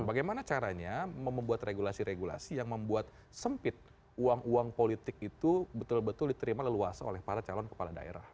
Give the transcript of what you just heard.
bagaimana caranya membuat regulasi regulasi yang membuat sempit uang uang politik itu betul betul diterima leluasa oleh para calon kepala daerah